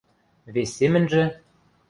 Вес семӹньжӹ: